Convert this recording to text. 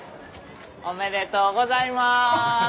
おめでとうございます！